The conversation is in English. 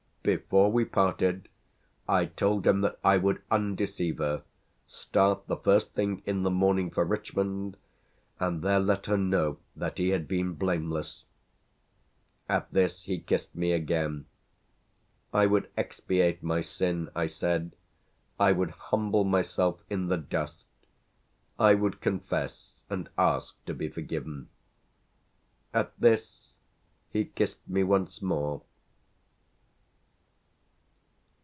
Before we parted I told him that I would undeceive her, start the first thing in the morning for Richmond and there let her know that he had been blameless. At this he kissed me again. I would expiate my sin, I said; I would humble myself in the dust; I would confess and ask to be forgiven. At this he kissed me once more.